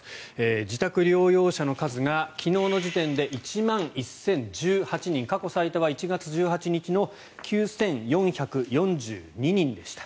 自宅療養者の数が昨日の時点で１万１０１８人過去最多は１月１８日の９４４２人でした。